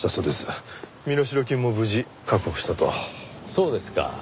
そうですか。